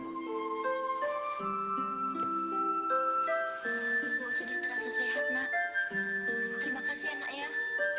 ibu sudah terasa sehat nak terima kasih anak ya